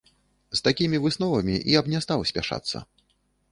З такімі высновамі я б не стаў спяшацца.